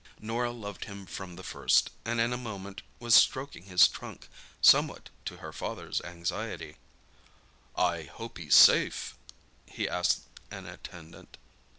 Norah loved him from the first, and in a moment was stroking his trunk, somewhat to her father's anxiety. "I hope he's safe?" he asked an attendant.